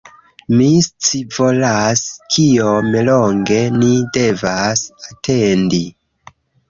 Mi scivolas kiom longe ni devas atendi